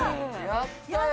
やったよ。